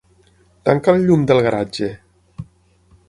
Tanca el llum del garatge.